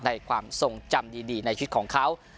ในความทรงจำดีในชุดของเขา